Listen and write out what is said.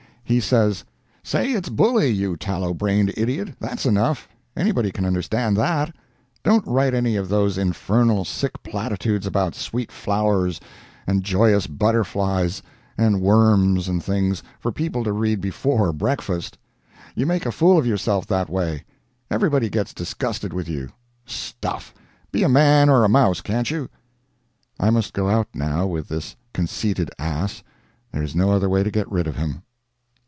He says: "Say it's bully, you tallow brained idiot! that's enough; anybody can understand that; don't write any of those infernal, sick platitudes about sweet flowers, and joyous butterflies, and worms and things, for people to read before breakfast. You make a fool of yourself that way; everybody gets disgusted with you; stuff! be a man or a mouse, can't you?" I must go out now with this conceited ass—there is no other way to get rid of him.